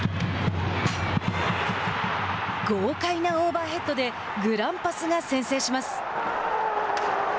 豪快なオーバーヘッドでグランパスが先制します。